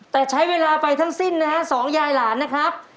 แต่ใช้เวลาไปทั้งสิ้นนะฮะสองยายหลานนะครับ